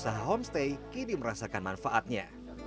usaha homestay kini merasakan manfaatnya